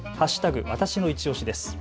わたしのいちオシです。